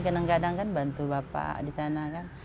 kadang kadang kan bantu bapak di sana kan